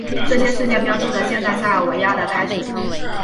这些事件标志着现代塞尔维亚的开始。